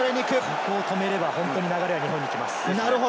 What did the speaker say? ここを止めれば本当に流れは日本に来ます。